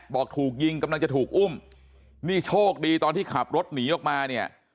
บอกถูกยิงกำลังจะถูกอุ้มนี่โชคดีตอนที่ขับรถหนีออกมาเนี่ย